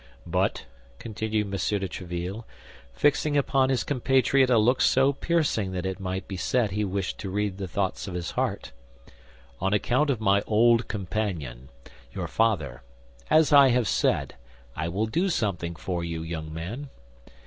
"But," continued M. de Tréville, fixing upon his compatriot a look so piercing that it might be said he wished to read the thoughts of his heart, "on account of my old companion, your father, as I have said, I will do something for you, young man.